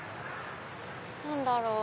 何だろう？